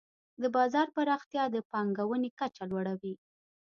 د بازار پراختیا د پانګونې کچه لوړوي.